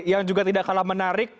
yang juga tidak kalah menarik